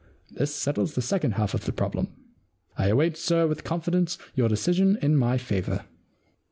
This settles the second half of the problem. I await, sir, with confidence, your decision in my favour.